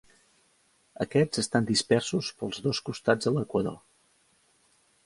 Aquests estan dispersos pels dos costats de l"equador.